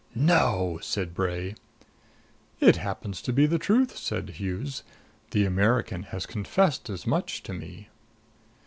"No!" said Bray. "It happens to be the truth," said Hughes. "The American has confessed as much to me."